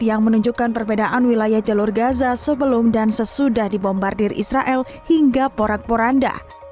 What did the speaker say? yang menunjukkan perbedaan wilayah jalur gaza sebelum dan sesudah dibombardir israel hingga porak poranda